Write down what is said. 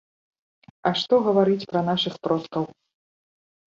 А што гаварыць пра нашых продкаў!